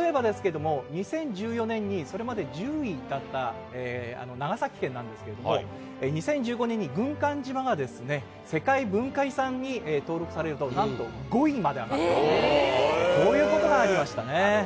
例えばですけれども、２０１４年に、それまで１０位だった長崎県なんですけれども、２０１５年に軍艦島が世界文化遺産に登録されると、なんと５位まで上がったと、そういうことがありましたね。